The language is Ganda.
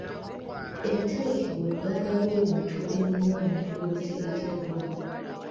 Ebitereke gwe muganda gw'ebintu ebirina omuntu gwe bitegekeddwa.